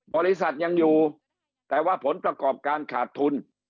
บริษัทยังอยู่แต่ว่าผลประกอบการขาดทุน